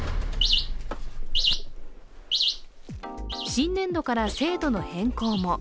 新年度から制度の変更も。